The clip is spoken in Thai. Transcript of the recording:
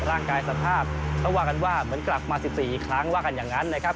สภาพเขาว่ากันว่าเหมือนกลับมา๑๔ครั้งว่ากันอย่างนั้นนะครับ